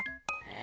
え？